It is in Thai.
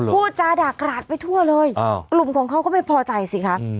พูดจาด่ากราดไปทั่วเลยกลุ่มของเขาก็ไม่พอใจสิคะ